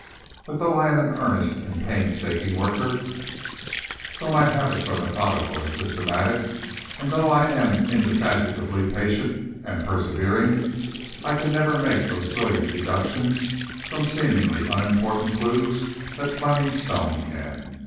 But though I am an earnest and painstaking worker, though my habits are methodical and systematic, and though I am indefatigably patient and persevering, I can never make those brilliant deductions from seemingly unimportant clues that Fleming Stone can.